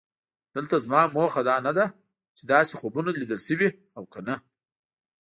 دلته زما موخه دا نه ده چې داسې خوبونه لیدل شوي او که نه.